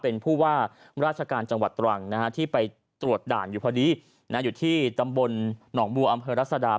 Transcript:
เป็นผู้ว่าราชการจังหวัดตรังที่ไปตรวจด่านอยู่พอดีอยู่ที่ตำบลหนองบัวอำเภอรัศดา